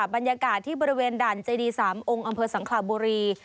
บรรยากาศที่บริเวณด่านเจดี๓องค์อำเภอสังคลาบุรี